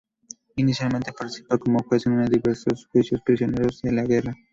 Inicialmente participa como juez en diversos juicios a prisioneros de guerra.